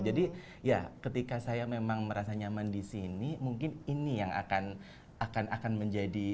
jadi ya ketika saya memang merasa nyaman di sini mungkin ini yang akan akan menjadi